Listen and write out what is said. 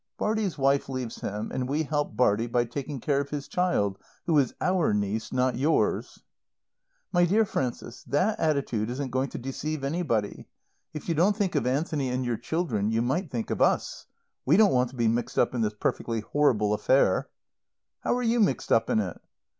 "Bartie's wife leaves him, and we help Bartie by taking care of his child who is our niece, not yours." "My dear Frances, that attitude isn't going to deceive anybody. If you don't think of Anthony and your children, you might think of us. We don't want to be mixed up in this perfectly horrible affair." "How are you mixed up in it?"